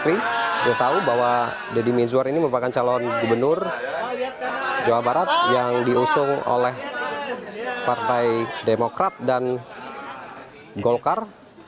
kita tahu bahwa deddy mizwar ini merupakan calon gubernur jawa barat yang diusung oleh partai demokrat dan golkar